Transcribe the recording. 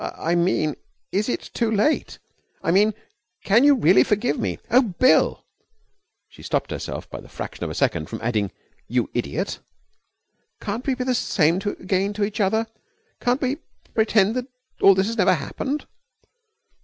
'I mean, is it too late? I mean, can you really forgive me? Oh, Bill' she stopped herself by the fraction of a second from adding 'you idiot' 'can't we be the same again to each other? Can't we pretend all this has never happened?'